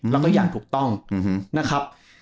แล้วก็อย่างถูกต้องนะครับ